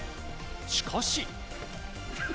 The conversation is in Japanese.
しかし。